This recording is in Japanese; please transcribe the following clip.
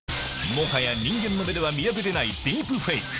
もはや人間の目では見破れないディープフェイク。